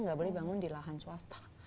nggak boleh bangun di lahan swasta